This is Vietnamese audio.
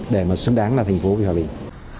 để xứng đáng thành phố hòa bình